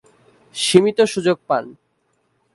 সীমিত সুযোগ পান।